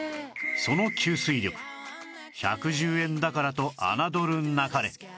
その吸水力１１０円だからと侮るなかれ